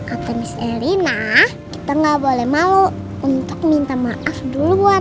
atau miss elina kita enggak boleh malu untuk minta maaf duluan